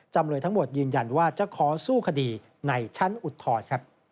จำเลยทั้งหมดยืนยันว่าจะขอสู้คดีในชั้นอุทธรณ์